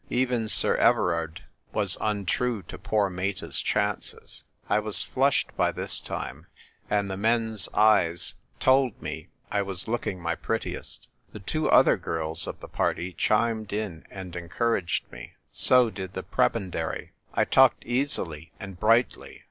Even Sir Everard was untrue to poor Meta's chances. I was flushed by this time, and the men's eyes told me I was look IQO THE TYPE WRITER GIRL. ing my prettiest. The two other girls of the party chimed in and encouraged me. So did the prebendary ; I talked easily and brightly.